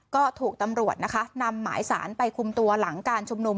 ก็ถูกตำรวจนะคะนำหมายสารไปคุมตัวหลังการชุมนุม